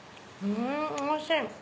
おいしい！